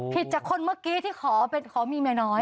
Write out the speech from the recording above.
ผิดจากคนเมื่อสิต่อมีแม่น้อย